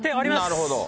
なるほど。